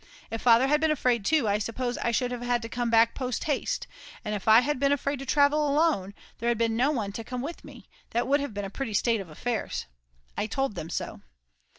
If Father had been afraid too, I suppose I should have had to come back post haste, and if I had been afraid to travel alone, and there had been no one to come with me, that would have been a pretty state of affairs. I told them so.